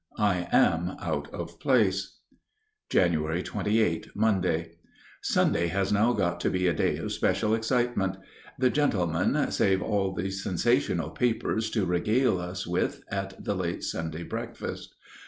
I am out of place. Jan. 28, Monday. Sunday has now got to be a day of special excitement. The gentlemen save all the sensational papers to regale us with at the late Sunday breakfast.